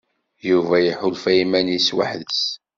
Yuba iḥulfa iman-is weḥd-s.